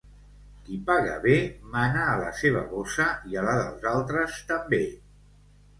Qui paga bé, mana a la seva bossa i a la dels altres també.